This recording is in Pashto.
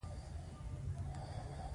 د اسلام پيغمبر ص وفرمايل مومن هغه دی.